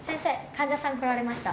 患者さん来られました。